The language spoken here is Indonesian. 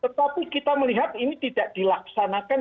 tetapi kita melihat ini tidak dilaksanakan